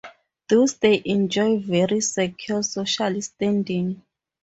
Thus they enjoy very secure social standing.